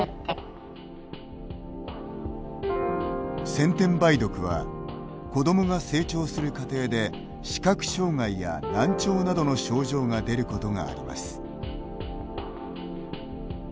先天梅毒は子どもが成長する過程で視覚障害や難聴などの症状が出ることがあります。